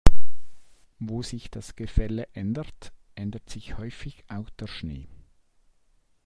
Wo sich das Gefälle ändert, ändert sich häufig auch der Schnee.